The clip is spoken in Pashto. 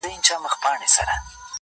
سترګي دي ډکي توپنچې دي٫